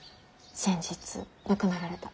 先日亡くなられた。